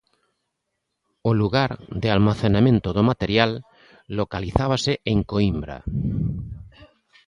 O lugar de almacenamento do material localizábase en Coímbra.